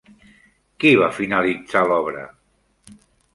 Qui va finalitzar l'obra?